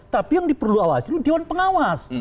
tapi yang diperlu awasi itu dewan pengawas